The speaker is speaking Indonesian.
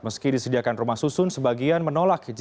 meski disediakan rumah susun sebagian menolak